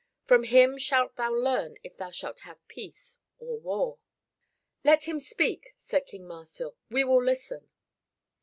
From him shalt thou learn if thou shalt have peace or war." "Let him speak," said King Marsil. "We will listen."